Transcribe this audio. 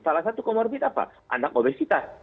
salah satu comorbid apa anak obesitas